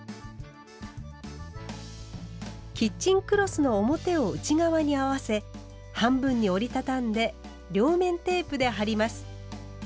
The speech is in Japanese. キッチンクロスの表を内側に合わせ半分に折り畳んで両面テープで貼ります。